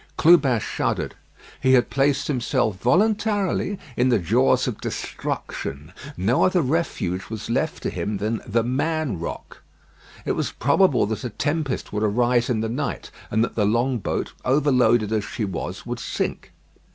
Clubin shuddered. He had placed himself voluntarily in the jaws of destruction. No other refuge was left to him than "The Man Rock." It was probable that a tempest would arise in the night, and that the long boat, overloaded as she was, would sink.